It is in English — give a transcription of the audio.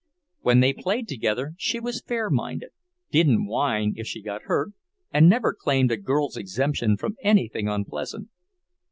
When they played together she was fair minded, didn't whine if she got hurt, and never claimed a girl's exemption from anything unpleasant.